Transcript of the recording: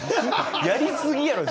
やりすぎやろ！